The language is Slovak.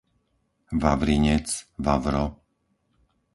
Vavrinec, Vavro